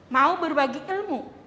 mau berbagi ilmu